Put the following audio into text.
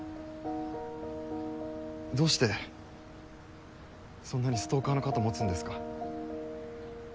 どうしてそんなにストーカーの肩持つんですか？